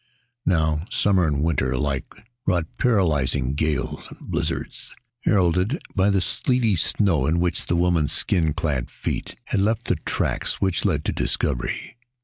Now, summer and winter alike brought paralyzing gales and blizzards, heralded by the sleety snow in which the woman's skin clad feet had left the tracks which led to discovery.